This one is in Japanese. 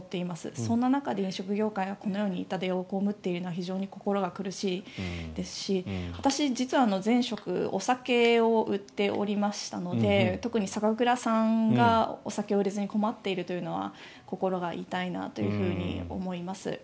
そんな中で飲食業界がこのように痛手を被っているのは非常に心が苦しいですし私、実は前職お酒を売っておりましたので特に酒蔵さんがお酒を売れずに困っているというのは心が痛いなというふうに思います。